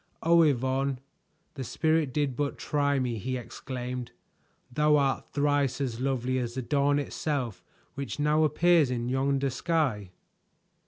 "Oh, Yvonne! The Spirit did but try me," he exclaimed. "Thou art thrice as lovely as the dawn itself which now appears in yonder sky!"